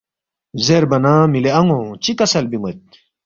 زیربا نہ ”مِلی ان٘و چِہ کسل بیون٘ید؟“